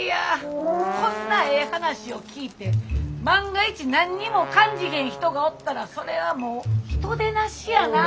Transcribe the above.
こんなええ話を聞いて万が一何にも感じへん人がおったらそれはもう人でなしやな。